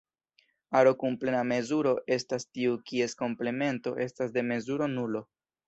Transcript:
Aro kun plena mezuro estas tiu kies komplemento estas de mezuro nulo.